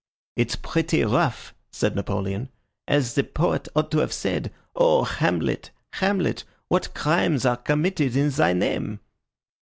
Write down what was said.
"It's pretty rough," said Napoleon. "As the poet ought to have said, 'Oh, Hamlet, Hamlet, what crimes are committed in thy name!'"